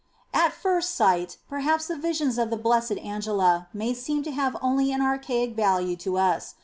At first sight perhaps the visions of the Blessed Angela may seem to have only an archaic value for us.